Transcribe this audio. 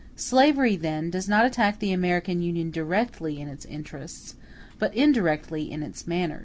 Slavery, then, does not attack the American Union directly in its interests, but indirectly in its manners.